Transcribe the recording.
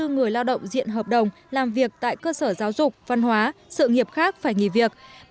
một trăm chín mươi bốn người lao động diện hợp đồng làm việc tại cơ sở giáo dục văn hóa sự nghiệp khác phải nghỉ việc